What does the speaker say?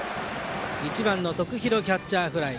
１番の徳弘、キャッチャーフライ。